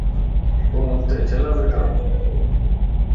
تون ھودي چھيلا ويئي؟